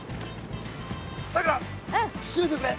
さくら閉めてくれ。